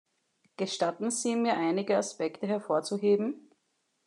Gestatten Sie mir einige Aspekte hervorzuheben.